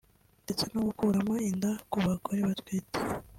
ndetse no gukuramo inda ku bagore batwite